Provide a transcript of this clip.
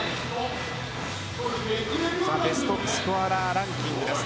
ベストスコアラーランキングです。